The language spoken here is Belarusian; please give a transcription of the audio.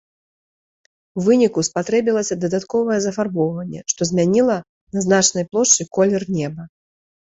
У выніку спатрэбілася дадатковае зафарбоўванне, што змяніла на значнай плошчы колер неба.